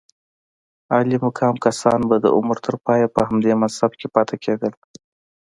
عالي مقام کسان به د عمر تر پایه په همدې منصب کې پاتې کېدل.